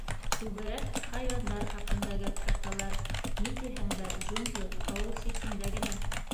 Күберәк хайуандар хаҡында гәп һаталар, ни тиһәң дә, джунгли ауыл ситендә генә.